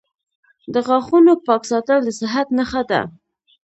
• د غاښونو پاک ساتل د صحت نښه ده.